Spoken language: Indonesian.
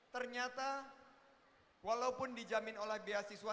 ternyata walaupun dijamin oleh beasiswa